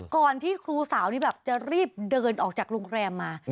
ที่ครูสาวนี่แบบจะรีบเดินออกจากโรงแรมมา